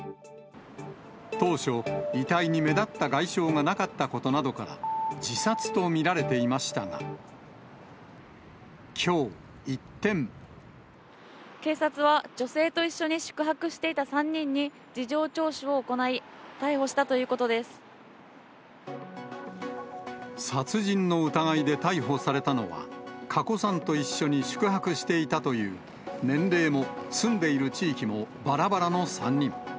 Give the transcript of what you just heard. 当初、遺体に目立った外傷がなかったことなどから、自殺と見られていま警察は、女性と一緒に宿泊していた３人に事情聴取を行い、逮捕したという殺人の疑いで逮捕されたのは、加古さんと一緒に宿泊していたという、年齢も住んでいる地域もばらばらの３人。